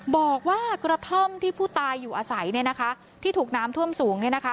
บอกว่ากระท่อมที่ผู้ตายอยู่อาศัยที่ถูกน้ำท่วมสูง